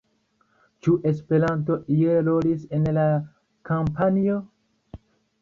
Ĉu Esperanto iel rolis en la kampanjo?